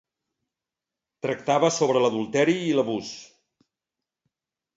Tractava sobre l'adulteri i l'abús.